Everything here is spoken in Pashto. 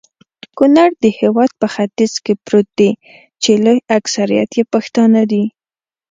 کونړ د هيواد په ختیځ کي پروت دي.چي لوي اکثريت يي پښتانه دي